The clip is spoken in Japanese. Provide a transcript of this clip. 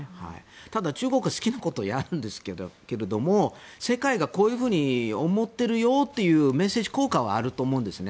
ただ、中国は好きなことをやるんですけれども世界がこういうふうに思っているよっていうメッセージ効果はあると思うんですね。